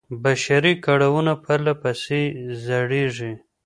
بشري کړاوونه پرله پسې زېږي.